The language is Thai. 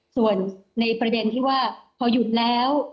ส่วนในประเด็นที่ว่าพอหยุดแล้ว